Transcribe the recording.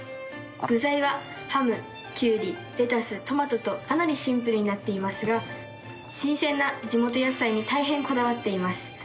具材はハムキュウリレタストマトとかなりシンプルになっていますが新鮮な地元野菜に大変こだわっています。